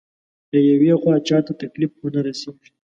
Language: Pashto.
له يوې خوا چاته تکليف ونه رسېږي.